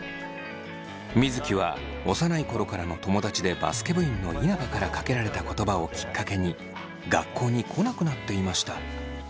水城は幼い頃からの友達でバスケ部員の稲葉からかけられた言葉をきっかけに学校に来なくなっていました。